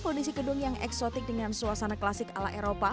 kondisi gedung yang eksotik dengan suasana klasik ala eropa